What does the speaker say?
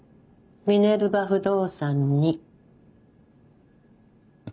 ミネルヴァ不動産に。